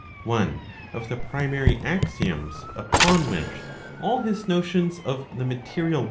One of the primary axioms upon which all his notions of the material world » D.